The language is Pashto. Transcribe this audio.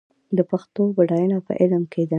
د پښتو بډاینه په علم کې ده.